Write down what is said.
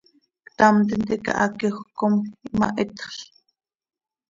Ctam tintica haquejöc com imahitxl.